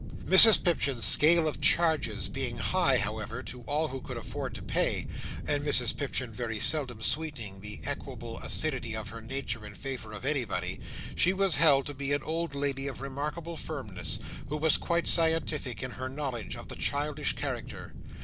Mrs Pipchin's scale of charges being high, however, to all who could afford to pay, and Mrs Pipchin very seldom sweetening the equable acidity of her nature in favour of anybody, she was held to be an old "lady of remarkable firmness, who was quite scientific in her knowledge of the childish character."